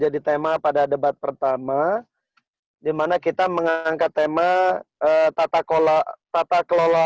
di mana kita mengangkat tema tata kelola